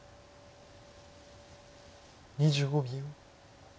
２５秒。